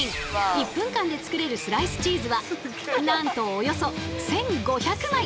１分間で作れるスライスチーズはなんとおよそ１，５００枚。